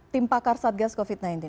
tim pakar satgas covid sembilan belas